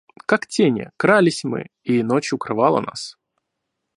Как тени, крались мы, и ночь укрывала нас.